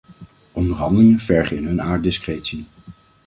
Onderhandelingen vergen in hun aard discretie.